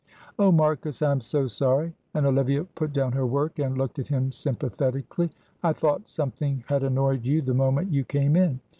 "Oh, Marcus, I am so sorry," and Olivia put down her work and looked at him sympathetically. "I thought something had annoyed you the moment you came in.